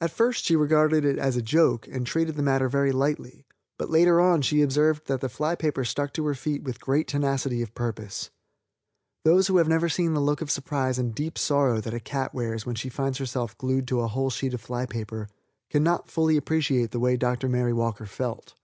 At first she regarded it as a joke and treated the matter very lightly, but later on she observed that the fly paper stuck to her feet with great tenacity of purpose. Those who have never seen the look of surprise and deep sorrow that a cat wears when she finds herself glued to a whole sheet of fly paper can not fully appreciate the way Dr. Mary Walker felt.